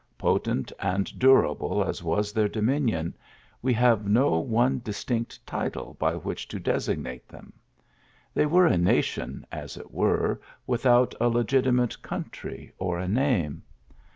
Potent and durable as was their dominion, we have no one distinct title by which to designate them. They were a nation, as it were, without a legitimate country or a name.